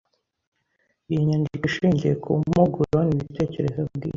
Iyi nyandiko ishingiye ku mpuguro ni ibitekerezo bwite